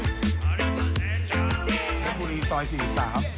เจ้าบุรีต้อย๔ตาม